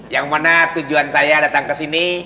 yang mana tujuan saya datang kesini